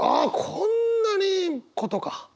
こんなにいいことか！